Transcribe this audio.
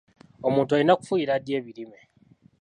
Omuntu alina kufuuyira ddi ebirime?